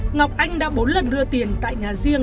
ngọc anh đã bốn lần đưa tiền tại nhà riêng